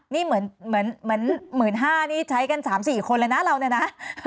นี่เหมือน๑๕๐๐นี่ใช้กัน๓๔คนเลยนะเราเนี่ยนะ